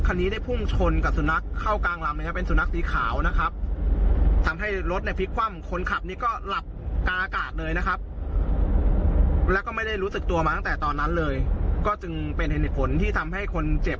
กล้องวงจรปิดนี้คลิปนี้เฉลยค่ะอีกอย่างคือกำตอบ